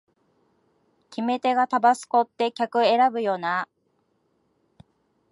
決め手がタバスコって客選ぶよなあ